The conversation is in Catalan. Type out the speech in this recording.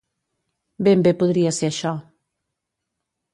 Ben bé podria ser això.